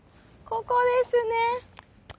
ここですね。